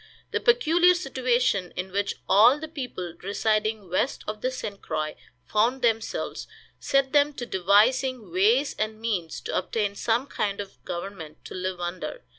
The peculiar situation in which all the people residing west of the St. Croix found themselves set them to devising ways and means to obtain some kind of government to live under.